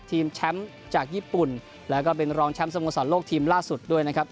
ทีมแชมป์จากญี่ปุ่นแล้วก็เป็นรองแชมป์สโมสรโลกทีมล่าสุดด้วยนะครับ